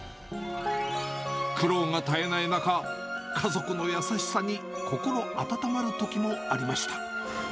苦労が絶えない中、家族の優しさに心温まるときもありました。